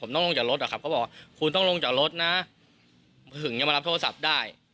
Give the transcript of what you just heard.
ต้องลงจากรถอะครับเขาบอกว่าคุณต้องลงจากรถนะถึงจะมารับโทรศัพท์ได้